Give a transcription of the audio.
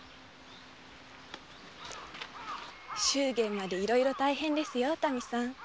祝言までいろいろ大変ですよ。